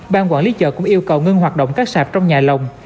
ban quản lý chợ cũng yêu cầu ngưng hoạt động các sạp trong nhà lồng